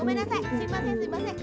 すいませんすいません。